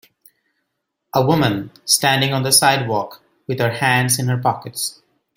A woman standing on the sidewalk with her hands in her pockets.